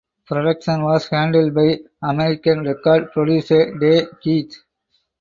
Production was handled by American record producer Tay Keith.